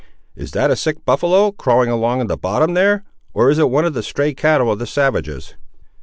Is that a sick buffaloe, crawling along in the bottom, there, or is it one of the stray cattle of the savages?"